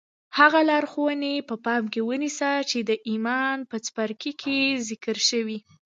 هغه لارښوونې په پام کې ونيسئ چې د ايمان په څپرکي کې ذکر شوې.